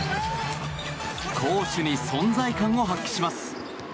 攻守に存在感を発揮します。